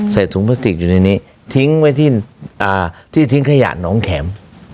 ใส่ถุงพลาสติกอยู่ในนี้ทิ้งไว้ที่ทิ้งขยะน้องแข็ม